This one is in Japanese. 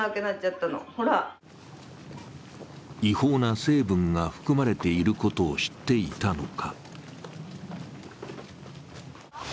違法な成分が含まれていることを知っていたのか。